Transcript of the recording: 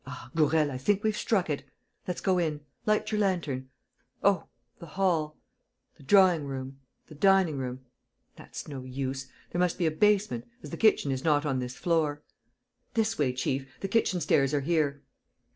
"Ah, Gourel, I think we've struck it! Let's go in. Light your lantern. ... Oh, the hall. ... the drawing room ... the dining room ... that's no use. There must be a basement, as the kitchen is not on this floor." "This way, chief ... the kitchen stairs are here."